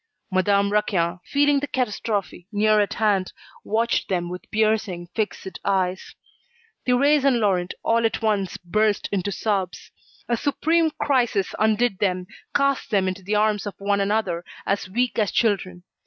Madame Raquin, feeling the catastrophe near at hand, watched them with piercing, fixed eyes. Thérèse and Laurent, all at once, burst into sobs. A supreme crisis undid them, cast them into the arms of one another, as weak as children.